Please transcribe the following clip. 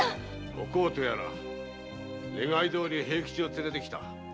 お甲とやら願いどおり平吉を連れてきた。